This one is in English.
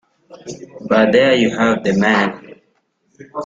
But there you have the man.